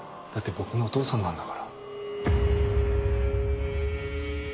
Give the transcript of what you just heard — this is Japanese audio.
僕のお父さんなんだから。